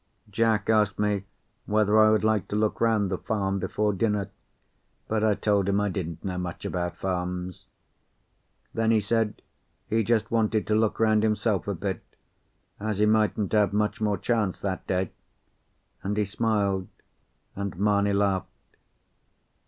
Jack asked me whether I would like to look round the farm before dinner, but I told him I didn't know much about farms. Then he said he just wanted to look round himself a bit, as he mightn't have much more chance that day; and he smiled, and Mamie laughed.